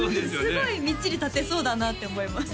すごいみっちり立てそうだなって思います